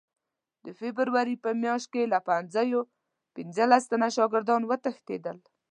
د فبروري په میاشت کې له پوهنځیو پنځلس تنه شاګردان وتښتېدل.